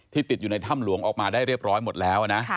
ติดอยู่ในถ้ำหลวงออกมาได้เรียบร้อยหมดแล้วนะ